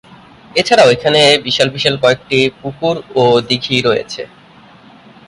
এছাড়াও এখানে বিশাল বিশাল কয়েকটি পুকুর ও দিঘী রয়েছে।